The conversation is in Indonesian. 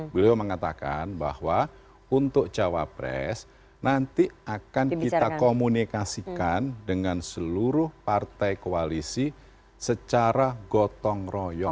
beliau mengatakan bahwa untuk cawapres nanti akan kita komunikasikan dengan seluruh partai koalisi secara gotong royong